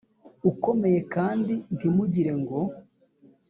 ukomeye kandi ntimugire ngo